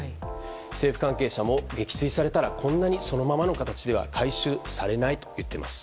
政府関係者も、撃墜されたらこんなにそのままの形では回収されないと言っています。